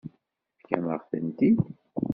Tefkam-aɣ-tent-id.